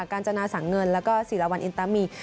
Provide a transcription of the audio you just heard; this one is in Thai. การจณสางเงินแล้วก็สีรวัลอินตามี